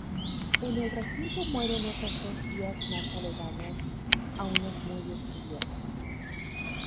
En el recinto mueren otras dos vías más aledañas a unos muelles cubiertos.